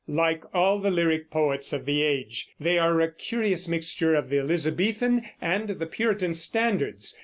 Like all the lyric poets of the age, they are a curious mixture of the Elizabethan and the Puritan standards.